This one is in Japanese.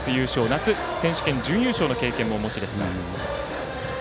夏選手権、準優勝の経験もお持ちですが。